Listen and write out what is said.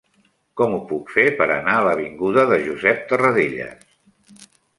Com ho puc fer per anar a l'avinguda de Josep Tarradellas?